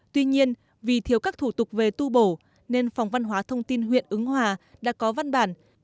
tuy nhiên vì thiếu các thủ tục về tu bổ nên phòng văn hóa thông tin huyện ứng hòa đã có văn bản